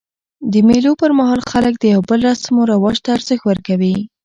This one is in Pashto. د مېلو پر مهال خلک د یو بل رسم و رواج ته ارزښت ورکوي.